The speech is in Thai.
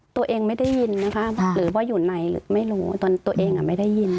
ตัวเองไม่ได้ยินนะคะหรือว่าอยู่ในไม่รู้ตอนตัวเองไม่ได้ยิน